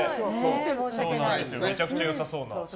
めちゃくちゃ良さそうな。